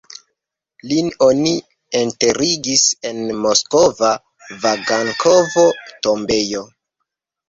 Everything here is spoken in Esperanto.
Lin oni enterigis en moskva Vagankovo-tombejo.